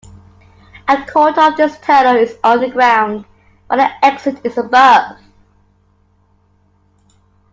A quarter of this tunnel is underground, while the exit is above.